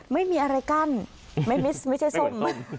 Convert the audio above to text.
ไม่มีอะไรกั้นไม่เหมือนสม